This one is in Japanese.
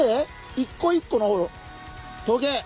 一個一個のトゲ。